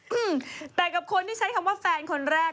อืมแต่กับคนที่ใช้คำว่าแฟนคนแรก